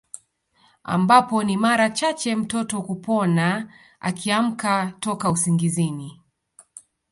Ambapo ni mara chache mtoto kupona akiamka toka usingizini